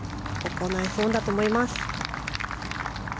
ナイスオンだと思います。